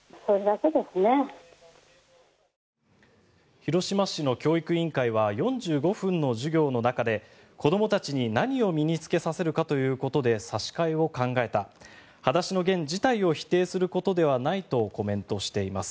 広島市の教育委員会は４５分の授業の中で子どもたちに何を身に着けさせるかということで差し替えを考えた「はだしのゲン」自体を否定することではないとコメントしています。